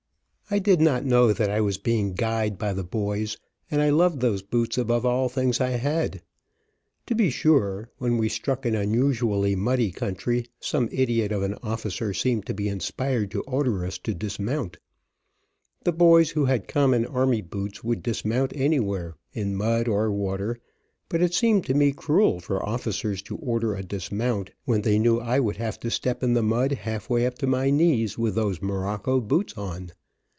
I did not know that I was being guyed by the boys, and I loved those boots above all things I had. To be sure, when we struck an unusually muddy country, some idiot of an officer seemed to be inspired to order us to dismount. The boys who had common army boots would dismount anywhere, in mud or water, but it seemed to me cruel for officers to order a dismount, when they knew I would have to step in the mud half way up to my knees, with those morocco boots on.